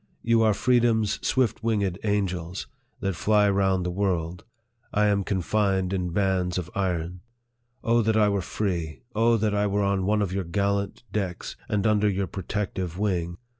You are freedom's swift winged angels, that fty round the world ; I am confined in bands of iron ! O that I were free ! O, that I were on one of your gallant decks, and under your protecting wing